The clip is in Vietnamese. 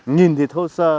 nhìn thì thô sơ